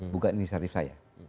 bukan ini syarif saya